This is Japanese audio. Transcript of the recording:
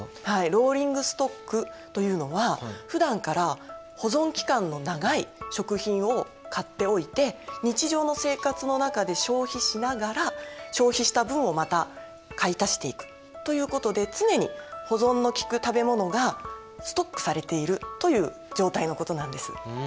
はいローリングストックというのはふだんから保存期間の長い食品を買っておいて日常の生活の中で消費しながら消費した分をまた買い足していくということで常に保存のきく食べ物がストックされているという状態のことなんです。